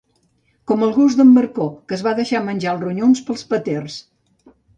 Com el gos d'en Marcó, que es va deixar menjar els ronyons pels peters.